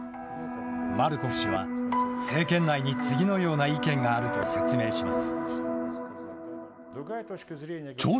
マルコフ氏は政権内に次のような意見があると説明します。